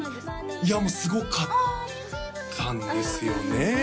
いやもうすごかったんですよね